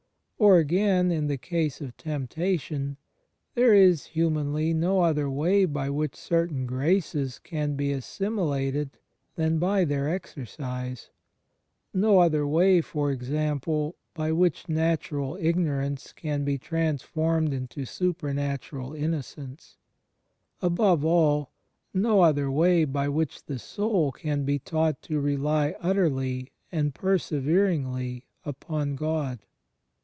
Or, again, in the case of temptation, there is, humanly, no other way by which certain graces can be assimilated than by their exercise — no other way, for example, by which natural ignorance can be transformed into supernatural innocence; above all, no other way by which the soul can be taught to rely utterly and per severingly upon Gk)d.